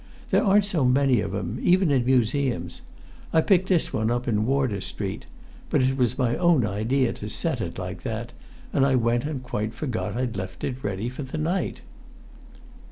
There aren't so many of 'em, even in museums. I picked this one up in Wardour Street; but it was my own idea to set it like that, and I went and quite forgot I'd left it ready for the night!"